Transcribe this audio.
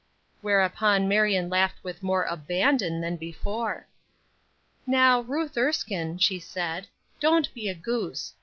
Whereupon Marion laughed with more abandon than before. "Now, Ruth Erskine," she said, "don't be a goose.